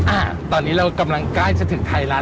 อ่ะตอนนี้เรากำลังใกล้จะถึงไทยรัฐ